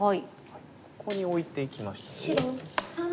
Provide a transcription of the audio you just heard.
ここにオイていきましたよ。